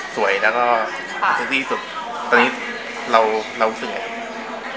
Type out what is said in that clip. สวยแล้วก็ซื้อซี่สุดตอนนี้เรารู้สึกยังไง